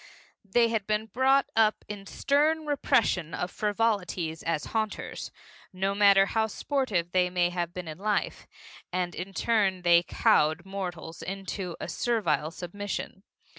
They had been brought up in stern repression of frivolities as haunters no matter how sportive they may have been in life and in turn they cowed mortals into a servile submission.